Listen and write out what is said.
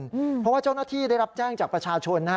เพราะว่าเจ้าหน้าที่ได้รับแจ้งจากประชาชนนะฮะ